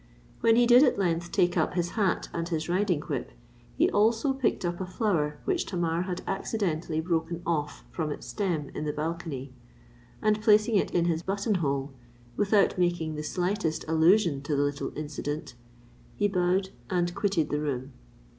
When he did at length take up his hat and his riding whip, he also picked up a flower which Tamar had accidentally broken off from its stem in the balcony; and placing it in his buttonhole without making the slightest allusion to the little incident, he bowed and quitted the room.